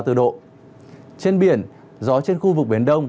trên biển gió trên khu vực biển đông